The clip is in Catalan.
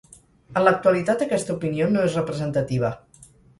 En l'actualitat, aquesta opinió no és representativa.